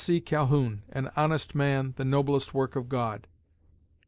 Calhoun, an honest man, the noblest work of God.